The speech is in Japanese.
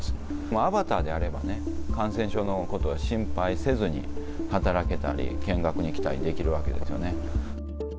アバターであればね、感染症のことを心配せずに働けたり、見学できたりできるわけですよね。